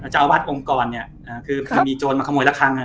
เจ้าอาวาสองค์กรเนี่ยคือพอมีโจรมาขโมยละครั้ง